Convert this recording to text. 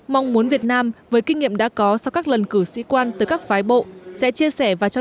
mong muốn việt nam với kinh nghiệm đã có sau các lần cử sĩ quan tới các phái bộ sẽ chia sẻ và cho